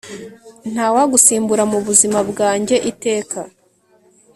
ntawagusimbura mubuzima bwange iteka